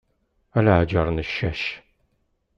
A leɛǧer n ccac.